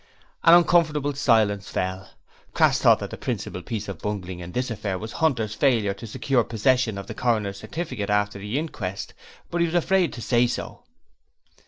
An uncomfortable silence fell. Crass thought that the principal piece of bungling in this affair was Hunter's failure to secure possession of the Coroner's certificate after the inquest, but he was afraid to say so.